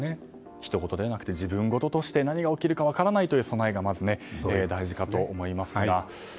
ひとごとではなく自分ごととして何が起きるか分からないという備えが大事かと思いますが。